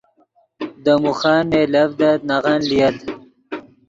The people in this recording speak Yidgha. دے موخن نئیلڤدت نغن لییت